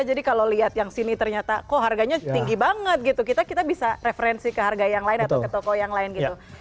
jadi kalau lihat yang sini ternyata kok harganya tinggi banget gitu kita bisa referensi ke harga yang lain atau ke toko yang lain gitu